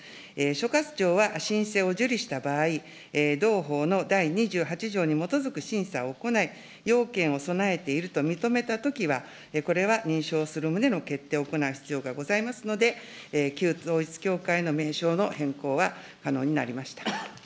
所轄庁は申請を受理した場合、同法の第２８条に基づく審査を行い、要件を備えていると認めたときは、これは認証する旨の決定を行う必要がございますので、旧統一教会の名称の変更は可能になりました。